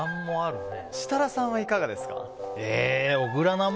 設楽さんはいかがですか？